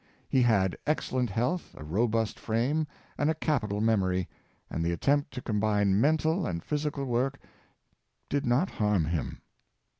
He had excellent health, a robust frame and a capital memory, and the attempt to combine mental and physical work did not hurt him.